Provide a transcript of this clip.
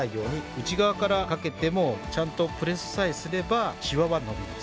内側からかけてもちゃんとプレスさえすればシワは伸びます。